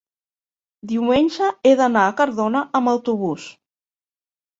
diumenge he d'anar a Cardona amb autobús.